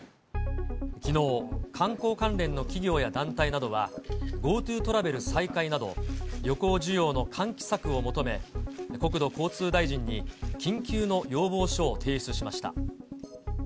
きのう、観光関連の企業や団体などは、ＧｏＴｏトラベル再開など、旅行需要の喚起策を求め、国土交通大臣に緊急の要望書を提出しました。